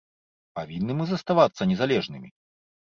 Павінны мы заставацца незалежнымі?